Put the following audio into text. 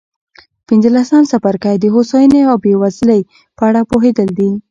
پنځلسم څپرکی د هوساینې او بېوزلۍ په اړه پوهېدل دي.